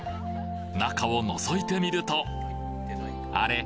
中を覗いてみるとあれ？